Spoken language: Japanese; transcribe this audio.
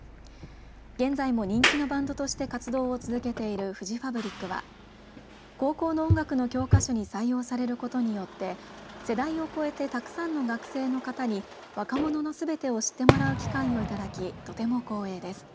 現在も人気のバンドとして活動を続けているフジファブリックは高校の音楽の教科書に採用されることによって世代を超えてたくさんの学生の方に若者のすべてを知ってもらう機会をいただきとても光栄です。